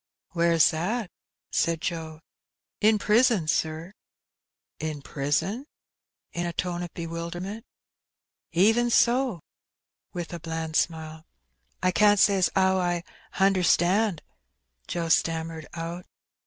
"Where's that?" said Joe. "In prison, sir!" "In prison?" in a tone of bewilderment. "Even so," with a bland smile. I can't say as 'ow I hunderstand," Joe stammered out.